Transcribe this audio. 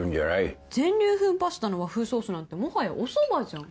全粒粉パスタの和風ソースなんてもはやおそばじゃん。